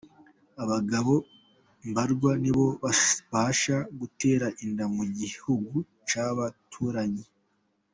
Abagabo mbarwa nibo babasha gutera inda Mugihugu Cyabaturanyi